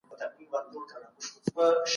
تفوق د نورو په وړاندې برتري ته ویل کیږي.